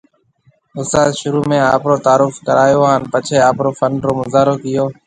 استاد شروع ۾ آپرو تعارف ڪرايو ھان پڇي آپري فن رو مظاھرو ڪيئو